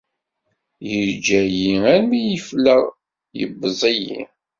Yeǧǧa-yi armi ɣefleɣ, yebbeẓ-iyi